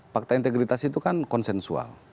fakta integritas itu kan konsensual